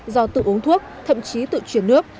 do tự uống thuốc thậm chí tự chuyển nước